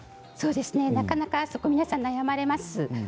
なかなか皆さん悩まれます。